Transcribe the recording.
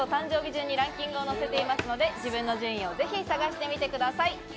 順にランキングを載せていますので、自分の順位をぜひ探してみてください。